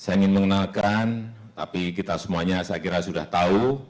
saya ingin mengenalkan tapi kita semuanya saya kira sudah tahu